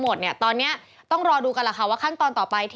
ฮ่า